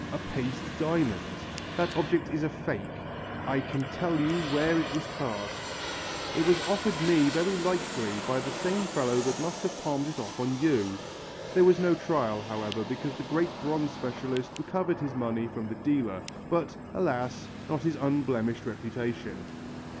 a paste diamond! That object is a fake. I can tell you where it was cast. It was offered me very likely by the same fellow that must have palmed it off on you...." There was no trial, however, because the great bronze specialist recovered his money from the dealer but, alas! not his unblemished reputation.